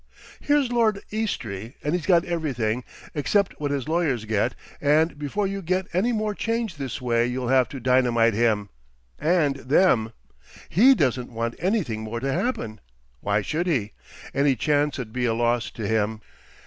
Here's Lord Eastry, and he's got everything, except what his lawyers get, and before you get any more change this way you'll have to dynamite him—and them. He doesn't want anything more to happen. Why should he? Any chance 'ud be a loss to him.